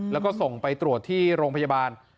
แล้วก็ส่งไปตรวจที่โรงพยาบาล